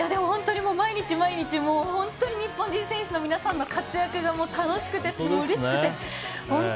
毎日、毎日本当に日本人選手の皆さんの活躍が、楽しくてうれしくて。